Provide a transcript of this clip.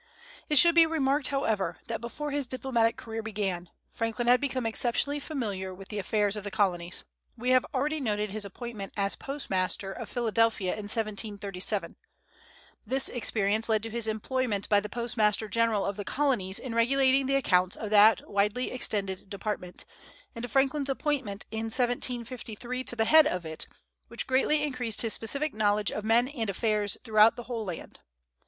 It should be remarked, however, that before his diplomatic career began, Franklin had become exceptionally familiar with the affairs of the Colonies. We have already noted his appointment as postmaster of Philadelphia in 1737. This experience led to his employment by the Postmaster General of the Colonies in regulating the accounts of that widely extended department, and to Franklin's appointment in 1753 to the head of it, which greatly increased his specific knowledge of men and affairs throughout the whole land.